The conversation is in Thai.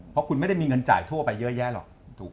เพราะคุณไม่ได้มีเงินจ่ายทั่วไปเยอะแยะหรอกถูก